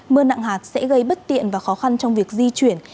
mưa nặng hạt sẽ gây bất tiện và khó khăn trong việc di chuyển